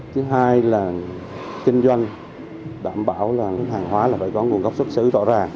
thứ hai là kinh doanh đảm bảo hàng hóa phải có nguồn gốc xuất xứ rõ ràng